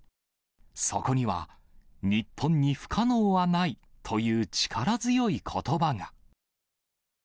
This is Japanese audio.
そこには、日本に不可能はないという力強いことばが。